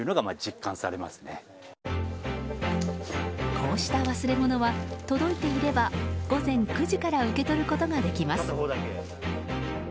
こうした忘れ物は届いていれば午前９時から受け取ることができます。